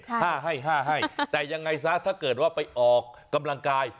ห้าให้ห้าให้แต่ยังไงซะถ้าเกิดว่าไปออกกำลังกาย